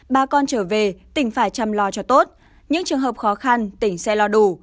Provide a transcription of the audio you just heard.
bà con trở về tỉnh phải chăm lo cho tốt những trường hợp khó khăn tỉnh sẽ lo đủ